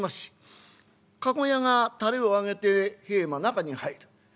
駕籠屋がたれを上げて平馬中に入る。